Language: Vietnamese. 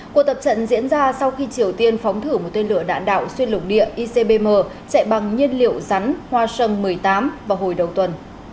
cuộc tập trận diễn ra sau khi triều tiên phóng thử một tên lửa đạn đạo xuyên lục địa icbm chạy bằng nhiên liệu rắn hoa sâm một mươi tám vào hồi đầu tuần